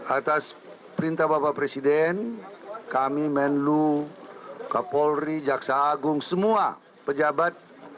atas perintah bapak presiden kami menlu kapolri jaksa agung semua pejabat